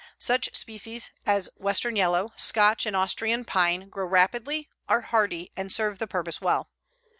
Such species as western yellow, Scotch and Austrian pine grow rapidly, are hardy, and serve the purpose well.